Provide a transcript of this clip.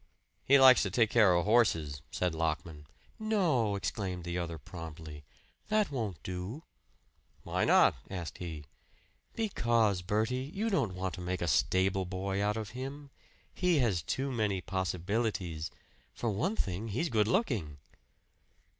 "He likes to take care of horses," said Lockman. "No," exclaimed the other promptly, "that won't do." "Why not?" asked he. "Because, Bertie, you don't want to make a stable boy out of him. He has too many possibilities. For one thing, he's good looking."